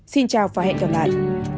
xin chào và hẹn gặp lại